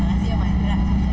terima kasih pak